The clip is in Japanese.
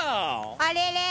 あれれ？